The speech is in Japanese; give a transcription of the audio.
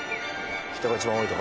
人が一番多い所